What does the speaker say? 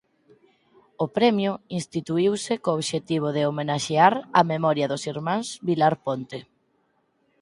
O premio instituíuse co obxectivo de homenaxear a memoria dos irmáns Vilar Ponte.